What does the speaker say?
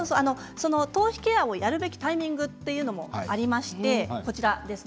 頭皮ケアもやるべきタイミングというのはあります。